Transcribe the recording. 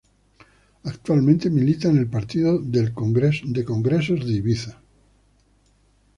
Actualmente milita en el Palacio de Congresos de Ibiza.